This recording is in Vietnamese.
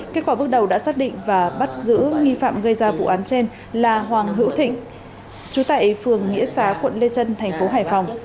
kết quả bước đầu đã xác định và bắt giữ nghi phạm gây ra vụ án trên là hoàng hữu thịnh chú tại phường nghĩa xá quận lê trân thành phố hải phòng